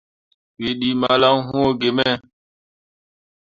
Wǝ ɗii malan wũũ gime.